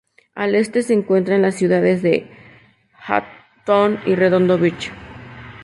Al este se encuentran las ciudades de Hawthorne y Redondo Beach.